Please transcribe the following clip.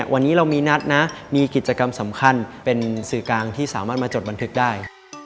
วันนี้เรามีนัดนะมีกิจกรรมสำคัญเป็นสื่อกลางที่สามารถมาจดบันทึกได้